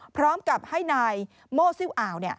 พร้อมกับให้นายโม่ซิลอ่าว